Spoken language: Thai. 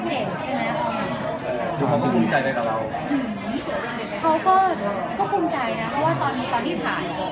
ก็เปลี่ยนใช่ไหมครับเขาก็ภูมิใจนะเพราะว่าตอนที่ถ่าย